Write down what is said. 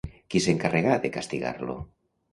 Qui s'encarregà de castigar-lo?